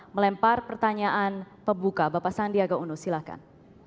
melempar pertanyaan pembuka bapak sandiaga uno silahkan